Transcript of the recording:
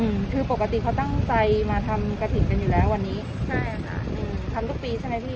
อืมคือปกติเขาตั้งใจมาทำกระถิ่นกันอยู่แล้ววันนี้ใช่ค่ะอืมทำทุกปีใช่ไหมพี่